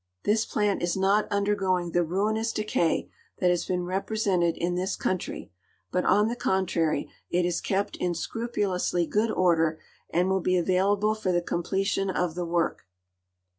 This plant is not undergoing the ruinous decay that has been represented in this country, but, on the contrary, it is kept in scrupulously good order and will be available for the completion of the work.